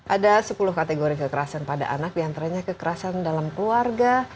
ada sepuluh kategori kekerasan pada anak diantaranya kekerasan dalam keluarga